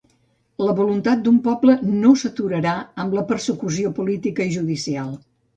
La voluntat d'un poble no s'aturarà amb persecució política i judicial.